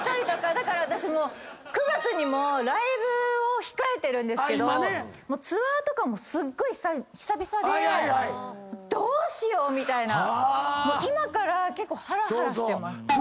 だから私９月にもライブを控えてるんですけどツアーとかもすっごい久々でどうしよう⁉みたいな。